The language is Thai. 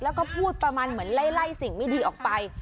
แล้วก็พูดประมาณเหมือนไล่สิ่งไม่ดีออกไป